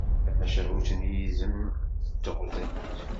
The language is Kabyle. Tamacahut n yizem d teɣzalt.